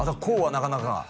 こうはなかなか？